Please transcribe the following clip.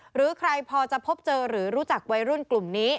หรือใครพอจะพบเจอหรือรู้จักวัยรุ่นกลุ่มนี้